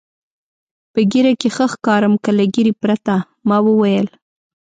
په ږیره کې ښه ښکارم که له ږیرې پرته؟ ما وویل.